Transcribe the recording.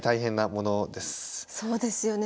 そうですよね。